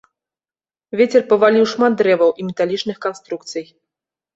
Вецер паваліў шмат дрэваў і металічных канструкцый.